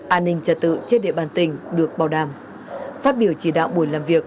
an ninh trả tự trên địa bàn tỉnh được bảo đảm